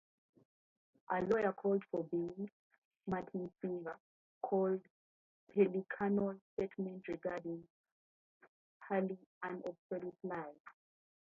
A lawyer for Bing, Martin Singer, called Pellicano's statement regarding Hurley an absolute lie.